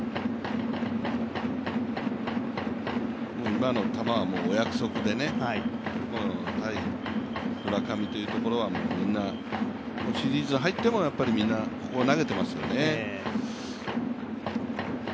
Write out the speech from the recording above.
今の球はお約束で、対村上というところはみんなシリーズ入ってもみんな、投げてますよね。